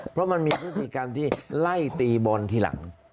เพราะมันมีพฤติกรรมที่ไล่ตีบอลทีหลัง